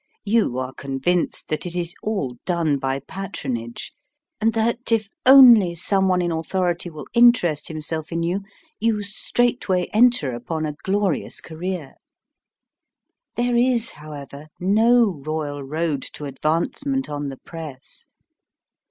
You are convinced that it is all done by patronage, and that if only some one in authority will interest himself in you, you straightway enter upon a glorious career. There is, however, no royal road to advancement on the Press.